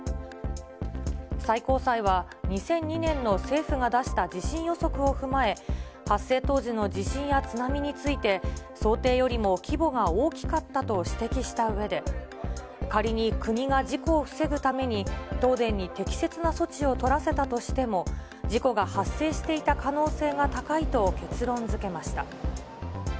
最高裁は、２００２年の政府が出した地震予測を踏まえ、発生当時の地震や津波について、想定よりも規模が大きかったと指摘したうえで、仮に国が事故を防ぐために、東電に適切な措置を取らせたとしても、事故が発生していた可能性が高いと結論づけました。